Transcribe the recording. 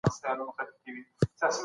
نو ناروغه کیږي.